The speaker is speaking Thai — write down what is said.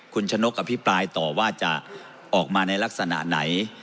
คุณชะนกอภิปรายต่อว่าจะออกมาในลักษณะไหน